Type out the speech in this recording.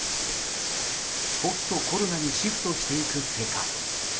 ポストコロナにシフトしていく世界。